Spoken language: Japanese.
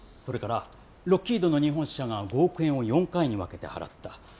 それからロッキードの日本支社が５億円を４回に分けて払った。